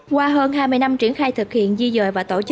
qua hơn hai mươi năm triển khai thực hiện di dời và tổ chức